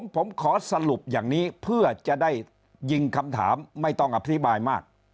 ผมขอสรุปอย่างนี้เพื่อจะได้ยิงคำถามไม่ต้องอธิบายมาก